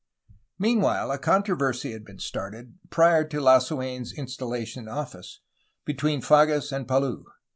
Meanwhile a controversy had been started, prior to Lasu^n's installation in office, between Fages and Palou.